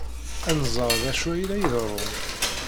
Ad nẓer d acu ay la iḍerrun.